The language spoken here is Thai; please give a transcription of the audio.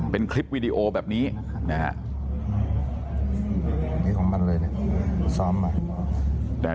เป็นคลิปวีดีโอแบบนี้นะฮะ